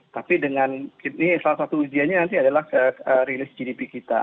tapi dengan ini salah satu ujiannya nanti adalah rilis gdp kita